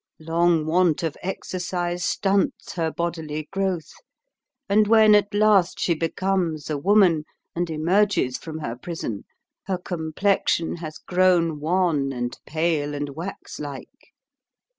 Long want of exercise stunts her bodily growth, and when at last she becomes a woman, and emerges from her prison, her complexion has grown wan and pale and waxlike.